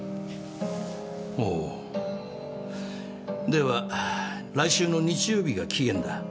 では来週の日曜日が期限だ。